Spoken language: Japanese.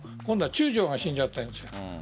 今度は中将が死んじゃったんです。